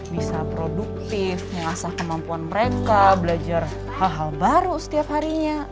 bisa produktif mengasah kemampuan mereka belajar hal hal baru setiap harinya